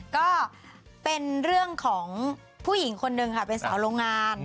ก็เป็นเรื่องของผู้หญิงคนนึงค่ะเป็นสาวโรงงาน